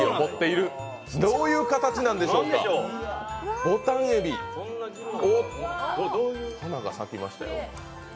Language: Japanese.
どういう形なんでしょうか、花が咲きましたよ。